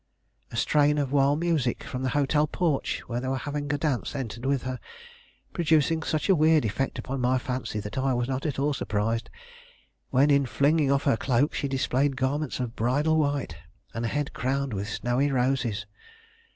A strain of wild music from the hotel porch, where they were having a dance, entered with her, producing such a weird effect upon my fancy that I was not at all surprised when, in flinging off her cloak, she displayed garments of bridal white and a head crowned with snowy roses.